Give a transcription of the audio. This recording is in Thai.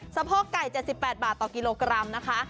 สะโพกไก่๗๘บาทต่อกิโลกรัมนะคะ